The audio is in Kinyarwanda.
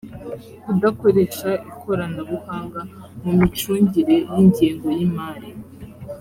kudakoresha ikoranabuhanga mu micungire y ingengo y imari